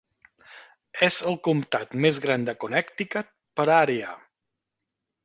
És el Comtat més gran de Connecticut per àrea.